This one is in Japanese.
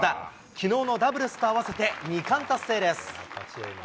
きのうのダブルスと合わせて２冠達成です。